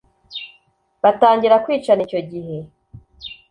batangira kwicana icyo gihe